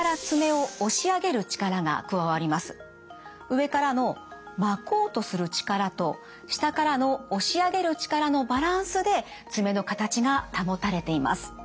上からの巻こうとする力と下からの押し上げる力のバランスで爪の形が保たれています。